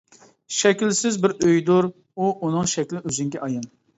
شەكىلسىز بىر ئۆيدۇر ئۇ ئۇنىڭ شەكلى ئۆزۈڭگە ئايان.